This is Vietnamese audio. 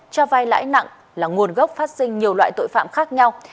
cho vai lãi nặng là nguồn gốc phát sinh nhiều loại tội phạm khác nhau